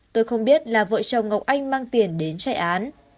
tôi không biết là vợ chồng ngọc anh mang tiền đến chạy án